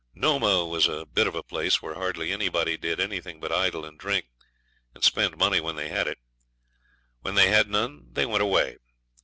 Nomah was a bit of a place where hardly anybody did anything but idle and drink, and spend money when they had it. When they had none they went away.